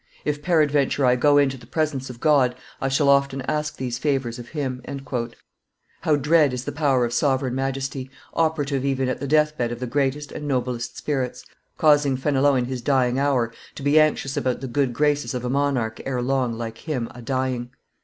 If peradventure I go into the presence of God, I shall often ask these favors of Him." How dread is the power of sovereign majesty, operative even at the death bed of the greatest and noblest spirits, causing Fenelon in his dying hour to be anxious about the good graces of a monarch ere long, like him, a dying